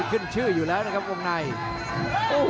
อื้อหือจังหวะขวางแล้วพยายามจะเล่นงานด้วยซอกแต่วงใน